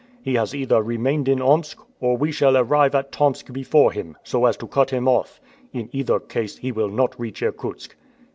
He has either remained in Omsk, or we shall arrive at Tomsk before him, so as to cut him off; in either case he will not reach Irkutsk."